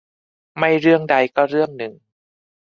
ไม่เรื่องใดก็เรื่องหนึ่ง